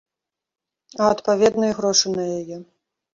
А адпаведна, і грошы на яе.